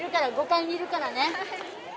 ５階にいるからね。